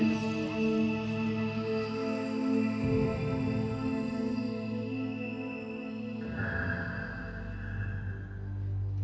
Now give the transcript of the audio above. terima kasih pak